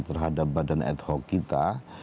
terhadap badan ad hoc kita